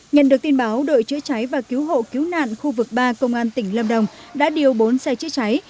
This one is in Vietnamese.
nhận được tin báo đội chữa cháy và cứu hộ cứu nạn khu vực ba công an tỉnh lâm đồng đã điều bốn xe chữa cháy